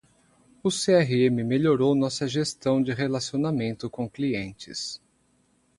O CRM melhorou nossa gestão de relacionamento com clientes.